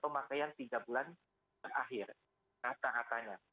pemakaian tiga bulan terakhir rata ratanya